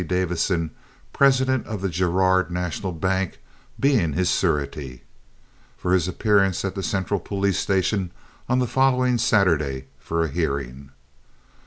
Davison, president of the Girard National Bank, being his surety), for his appearance at the central police station on the following Saturday for a hearing.